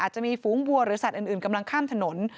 จะมีฝูงวัวหรือสัตว์อื่นกำลังข้ามถนน